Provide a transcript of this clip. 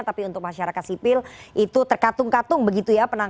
tapi untuk masyarakat sipil itu terkatung katung begitu ya